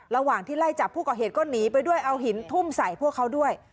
ระหว่างที่ไล่จับผู้ก่อเหตุก็หนีไปด้วยเอาหินทุ่มใส่พวกเขาด้วย